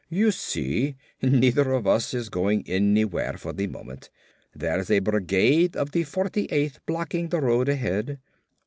"You see, neither of us is going anywhere for the moment. There's a brigade of the 48th blocking the road ahead."